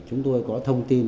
và chúng tôi có thông tin